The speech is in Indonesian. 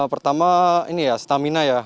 pertama stamina ya